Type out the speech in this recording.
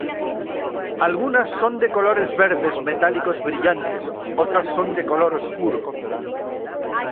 Algunas son de colores verdes metálicos brillantes otras son de color oscuro.